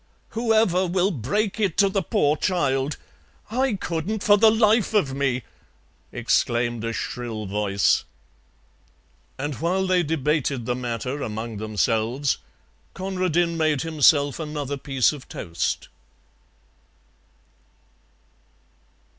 "Whoever will break it to the poor child? I couldn't for the life of me!" exclaimed a shrill voice. And while they debated the matter among themselves, Conradin made himself another piece of toast.